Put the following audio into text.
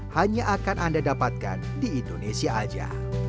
hanya akan anda dapatkan di indonesia saja